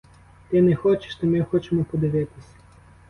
Ти не хочеш, то ми хочемо подивитися.